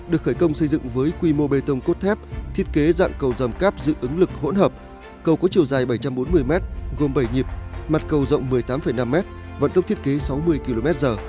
được khởi công xây dựng với quy mô bê tông cốt thép thiết kế dạng cầu dầm cáp dự ứng lực hỗn hợp cầu có chiều dài bảy trăm bốn mươi m gồm bảy nhịp mặt cầu rộng một mươi tám năm m vận tốc thiết kế sáu mươi km giờ